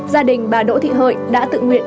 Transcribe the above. gia đình bà đỗ thị hợi đã tự nguyện